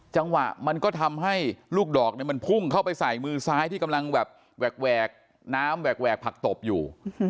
จังหวะมันก็ทำให้ลูกดอกมันพุ่งเข้าไปใส่มือซ้ายที่กำลังแบบแหวกน้ำแหวกผักตบอยู่